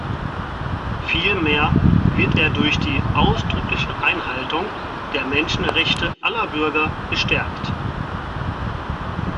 Vielmehr wird er durch die ausdrückliche Einhaltung der Menschenrechte aller Bürger gestärkt.